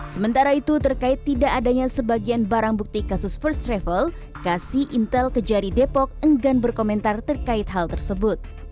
sementara itu terkait tidak adanya sebagian barang bukti kasus first travel kasih intel kejari depok enggan berkomentar terkait hal tersebut